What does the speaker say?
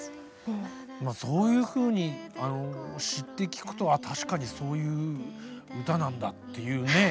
まあそういうふうにあの知って聴くとああ確かにそういう歌なんだっていうね。